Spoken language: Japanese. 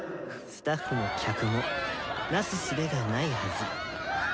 スタッフも客もなすすべがないはず。